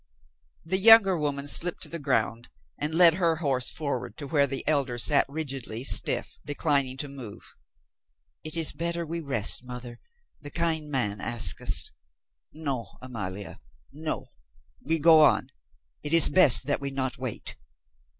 The younger woman slipped to the ground and led her horse forward to where the elder sat rigidly stiff, declining to move. "It is better we rest, mother. The kind man asks us." "Non, Amalia, non. We go on. It is best that we not wait."